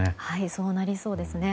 そうなりそうです。